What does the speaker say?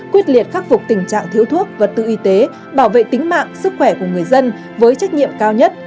quyết liệt khắc phục tình trạng thiếu thuốc vật tư y tế bảo vệ tính mạng sức khỏe của người dân với trách nhiệm cao nhất